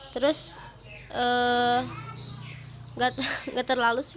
terus gak terlalu sih